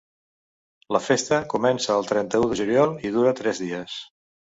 La festa comença el trenta-u de juliol i dura tres dies.